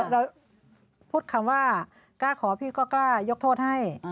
เราพูดคำว่ากล้าขอพี่ก็กล้ายกโทษให้